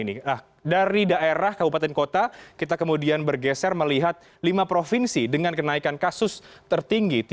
nah dari daerah kabupaten kota kita kemudian bergeser melihat lima provinsi dengan kenaikan kasus tertinggi